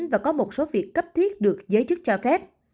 và có một số việc cấp thiết được giới chức cho phép